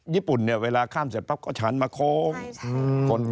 ญี่ปุ่นเนี่ยเวลาข้ามเสร็จปั๊บก็ฉันมาโค้ง